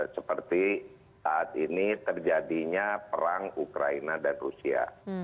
seperti saat ini terjadinya perang ukraina dan rusia